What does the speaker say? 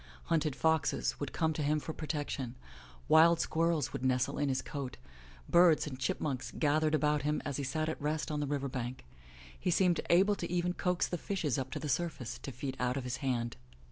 Hunted foxes would come to him for protection; wild squirrels would nestle in his coat ; birds and chipmunks gathered about him as he sat at rest on the river bank; he seemed able even to coax the fishes up to the surface to feed out of his hand.